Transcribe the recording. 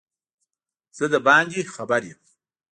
زه دباندي خبر یم